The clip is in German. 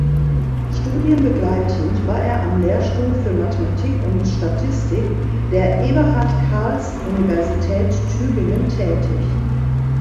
Studienbegleitend war er am Lehrstuhl für Mathematik und Statistik der Eberhard-Karls Universität Tübingen tätig.